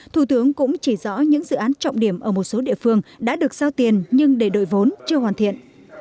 thủ tướng cũng chỉ rõ những dự án trọng điểm ở một số địa phương đã được giao tiền nhưng để đội vốn chưa hoàn thiện